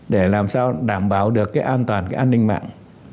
để làm sao đảm bảo được cái an toàn cái an ninh mạng